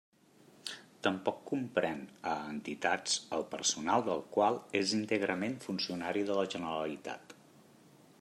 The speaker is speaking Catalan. Tampoc comprén a entitats el personal del qual és íntegrament funcionari de la Generalitat.